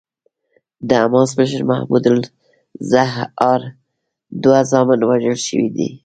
د حماس مشر محمود الزهار دوه زامن وژل شوي دي.